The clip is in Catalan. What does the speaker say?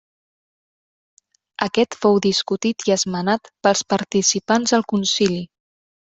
Aquest fou discutit i esmenat pels participants al concili.